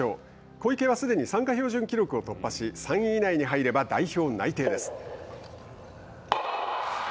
小池はすでに参加標準記録を突破し３位以内に入れば代表内定です。